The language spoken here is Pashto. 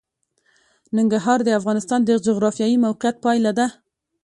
ننګرهار د افغانستان د جغرافیایي موقیعت پایله ده.